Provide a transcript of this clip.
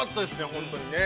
本当にね。